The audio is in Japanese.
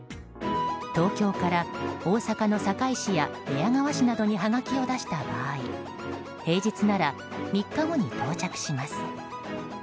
東京から大阪の堺市や寝屋川市などにはがきを出した場合平日なら３日後に到着します。